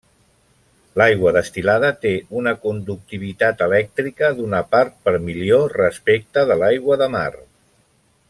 L'aigua destil·lada té una conductivitat elèctrica d'una part per milió respecte de l'aigua de mar.